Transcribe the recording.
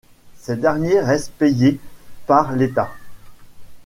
Ces derniers restent payés par l'état.